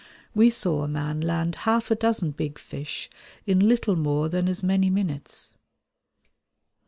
We saw a man land half a dozen big fish in little more than as many minutes.